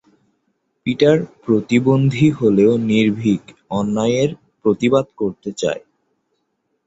Peter প্রতিবন্ধী হলেও নির্ভীক, অন্যায়ের প্রতিবাদ করতে চায়।